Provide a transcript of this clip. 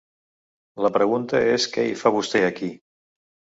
La pregunta és què hi fa vostè, aquí?